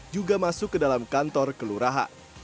juga masuk ke dalam kantor kelurahan